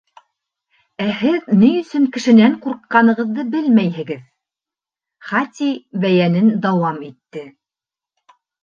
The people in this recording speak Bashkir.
— Ә һеҙ ни өсөн кешенән ҡурҡҡанығыҙҙы белмәйһегеҙ, — Хати бәйәнен дауам итте.